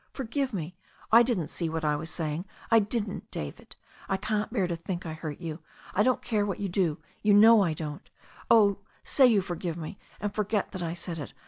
Forgive me — ^I didn't see what I was saying. I didn't, David. I can't bear to think I hurt you. I don't care what you do— you know I don't Oh, say you forgive me and forget that I said it.